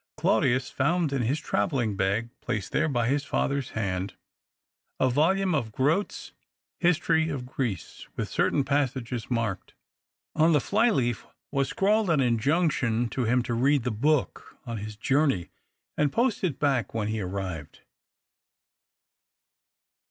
Claudius found in his travelling bag, placed there by his father's hand, a volume of Grote's History of Greece, with certain passages marked. On the fly leaf was scrawled an injunction to him to read the book on his journey and post it back when he arrived.